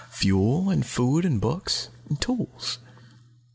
Fuel, and food, and books, and tools.